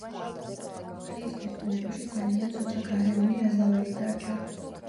დღეისთვის ბუნებაში ძალიან ცოტა გარეული აზავერი დარჩა.